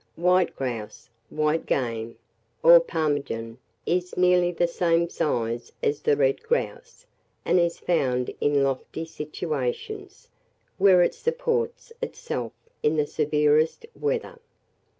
White grouse, white game, or ptarmigan, is nearly the same size as the red grouse, and is found in lofty situations, where it supports itself in the severest weather.